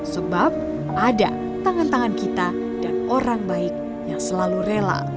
sebab ada tangan tangan kita dan orang baik yang selalu rela